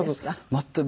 全く。